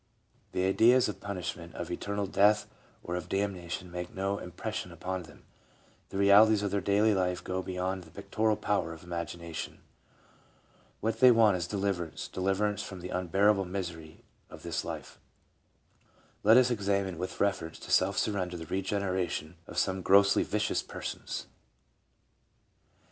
The ideas of punishment, of eternal death or of damnation make no impres sion upon them ; the realities of their daily life go beyond the pictorial power of imagination. What they want is deliver ance — deliverance from the unbearable misery of this life. Let us examine, with reference to self surrender, the regen eration of some grossly vicious persons.